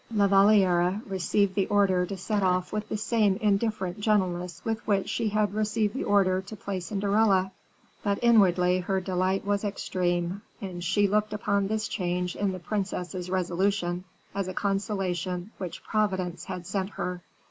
La Valliere received the order to set off with the same indifferent gentleness with which she had received the order to play Cinderella. But, inwardly, her delight was extreme, and she looked upon this change in the princess's resolution as a consolation which Providence had sent her.